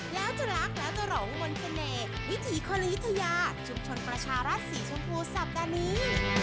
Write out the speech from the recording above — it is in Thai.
แล้วจะรักแล้วจะหลงมนต์เสน่ห์วิถีคนวิทยาชุมชนประชารัฐสีชมพูสัปดาห์นี้